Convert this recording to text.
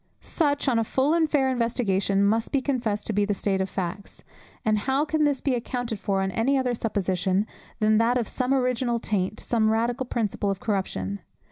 Such on a full and fair investigation must be confessed to be the state of facts; and how can this be accounted for on any other supposition, than that of some original taint, some radical principle of corruption?